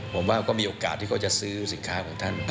ผมว่าก็มีโอกาสที่เขาจะซื้อสินค้าของท่าน